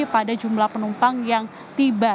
pada jumlah penumpang yang tiba